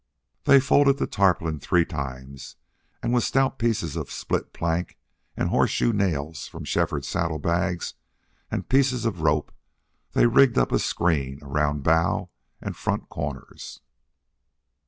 They folded the tarpaulin three times, and with stout pieces of split plank and horseshoe nails from Shefford's saddle bags and pieces of rope they rigged up a screen around bow and front corners.